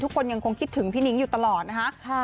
ทุกคนยังคงคิดถึงพี่นิ้งอยู่ตลอดนะคะ